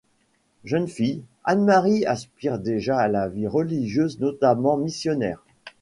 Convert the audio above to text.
Jeune fille, Anne Marie aspire déjà à la vie religieuse notamment missionnaire.